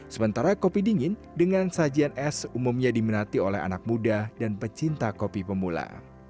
sementara kopi dingin dengan sajian es umumnya diminati oleh anak muda dan pecinta kopi pemula